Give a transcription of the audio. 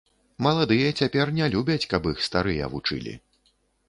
Маладыя цяпер не любяць, каб іх старыя вучылі.